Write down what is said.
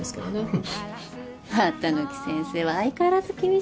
綿貫先生は相変わらず厳しいな。